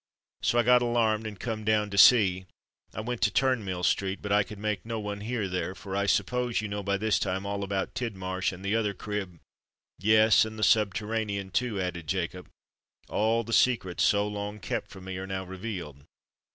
So I got alarmed, and come down to see, I went to Turnmill Street—but I could make no one hear there—for I suppose you know by this time all about Tidmarsh and the other crib——" "Yes—and the subterranean too," added Jacob: "all the secrets, so long kept from me, are now revealed.